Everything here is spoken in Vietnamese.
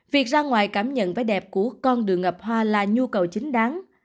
việc ra ngoài cảm nhận vẻ đẹp của con đường ngập hoa là nhu cầu chính đáng